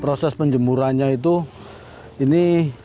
proses menjemurannya itu ini